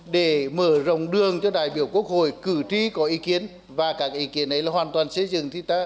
để mở rộng đường cho đại biểu quốc hội cử tri có ý kiến và các ý kiến ấy là hoàn toàn xây dựng thì ta